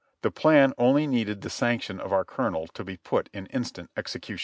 The plan only needed the sanction of our colonel to be put in instant execution.